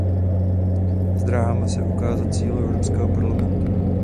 Zdráháme se ukázat sílu Evropského parlamentu.